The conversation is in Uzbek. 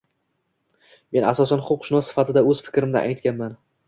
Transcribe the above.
Men asosan huquqshunos sifatida oʻz fikrimni aytganman.